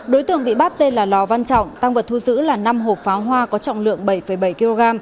đối tượng bị bắt tên là lò văn trọng tăng vật thu giữ là năm hộp pháo hoa có trọng lượng bảy bảy kg